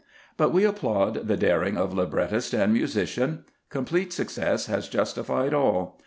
But we applaud the daring of librettist and musician; complete success has justified all.